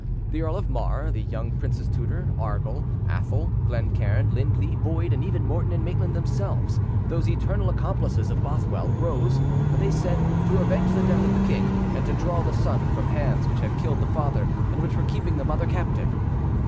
The Earl of Mar, the young prince's tutor, Argyll, Athol, Glencairn, Lindley, Boyd, and even Morton and Maitland themselves, those eternal accomplices of Bothwell, rose, they said, to avenge the death of the king, and to draw the son from hands which had killed the father and which were keeping the mother captive.